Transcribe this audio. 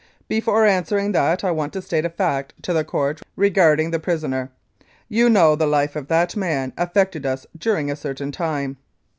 Before answering that I want to state a fact to the Court regarding the prisoner. You know the life of that man affected us during a certain time.